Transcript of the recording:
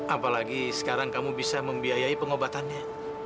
apalagi sekarang kamu bisa membiayai pengobatannya